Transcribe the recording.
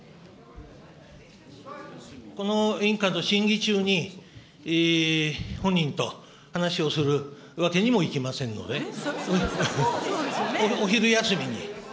この委員会の審議中に本人と話をするわけにもいきませんので、お昼休みに。